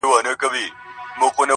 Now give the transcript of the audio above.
د مقدسې مينې پای دی سړی څه ووايي_